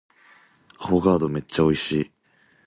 アフォガードめっちゃ美味しい